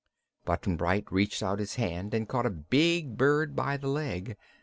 Button Bright reached out his hand and caught a big bird by the leg.